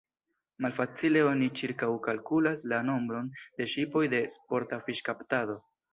Malfacile oni ĉirkaŭkalkulas la nombron de ŝipoj de sporta fiŝkaptado.